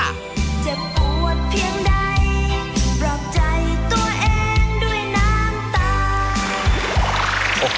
จะปวดเพียงใดปลอบใจตัวเองด้วยน้ำตา